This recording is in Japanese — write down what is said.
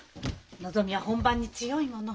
のぞみは本番に強いもの。